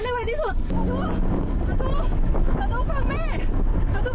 น้องเจ้าฟังแม่ลูก